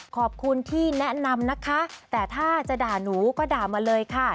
ขอบคุณที่แนะนำนะคะแต่ถ้าจะด่าหนูก็ด่ามาเลยค่ะ